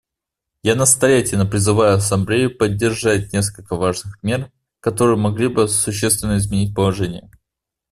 Я настоятельно призываю Ассамблею поддержать несколько важных мер, которые могли бы существенно изменить положение.